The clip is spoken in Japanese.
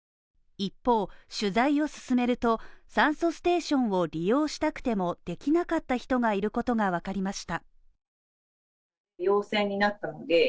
一方取材を進めると酸素ステーションを利用したくてもできなかった人がいることが分かりました